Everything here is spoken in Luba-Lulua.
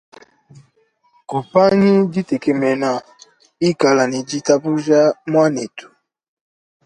Kupangi ditekemena ikala ne ditabuja muanetu.